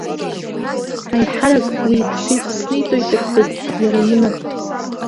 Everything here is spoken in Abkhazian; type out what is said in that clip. Аиҳарак уи иԥсы ихҭниҵоит, рҳәеит, иара имаҳә.